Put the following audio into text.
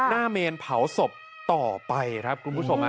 เมนเผาศพต่อไปครับคุณผู้ชม